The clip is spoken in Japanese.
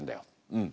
うん。